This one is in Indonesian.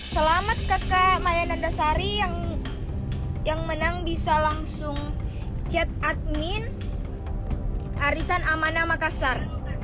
selamat keke mayananda sari yang menang bisa langsung chat admin arisan amanah makassar